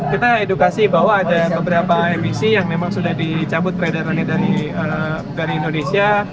kita edukasi bahwa ada beberapa emisi yang memang sudah dicabut peredarannya dari indonesia